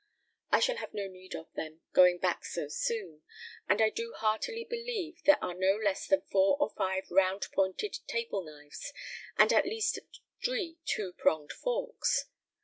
I shall have no need of them, going back so soon; and I do heartily believe there are no less than four or five round pointed table knives, and at least three two pronged forks.